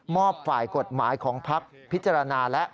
อบฝ่ายกฎหมายของภักดิ์พิจารณาแล้ว